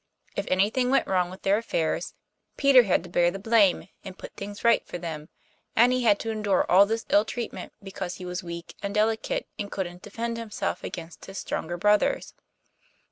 If anything went wrong with their affairs, Peter had to bear the blame and put things right for them, and he had to endure all this ill treatment because he was weak and delicate and couldn't defend himself against his stronger brothers.